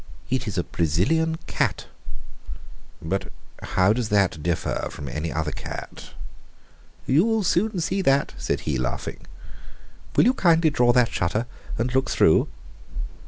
It is a Brazilian cat." "But how does that differ from any other cat?" "You will soon see that," said he, laughing. "Will you kindly draw that shutter and look through?"